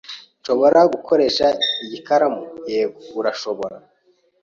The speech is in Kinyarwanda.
"Nshobora gukoresha iyi karamu?" "Yego, urashobora."